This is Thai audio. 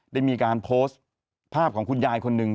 ได้มีการโพสต์ภาพของคุณยายคนหนึ่ง